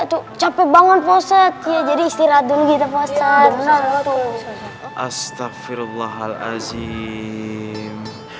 tuh capek bangun poset ya jadi istirahat dulu gitu poset astagfirullahal'azim